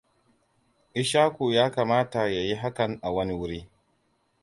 Ishaku yakamata ya yi hakan a wani wuri.